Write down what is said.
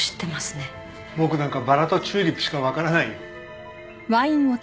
僕なんかバラとチューリップしか分からないよ。